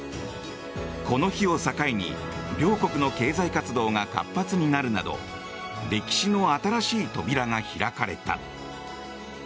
この日を境に両国の経済活動が活発になるなど歴史の新しい扉が開かれた。